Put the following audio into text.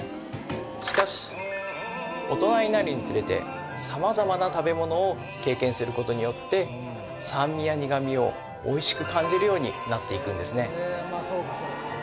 しかし大人になるにつれてすることによって酸味や苦味をおいしく感じるようになっていくんですね